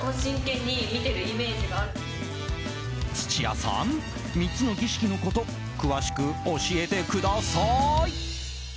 ［土屋さん３つの儀式のこと詳しく教えてくださーい］